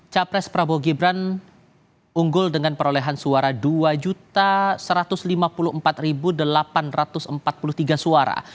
capres prabowo gibran unggul dengan perolehan suara dua satu ratus lima puluh empat delapan ratus empat puluh tiga suara